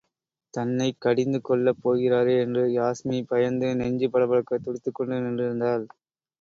தன்னைக் கடிந்து கொள்ளப் போகிறாரே என்று யாஸ்மி பயந்து நெஞ்சு படபடக்கத் துடித்துக் கொண்டு நின்றிருந்தாள்.